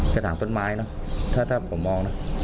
กระถางต้นไม้นะถ้าผมมองนะ